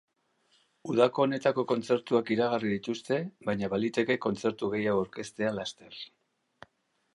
Udako honetako kontzertuak iragarri dituzte, baina baliteke kontzertu gehiago aurkeztea laster.